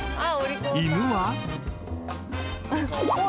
犬は］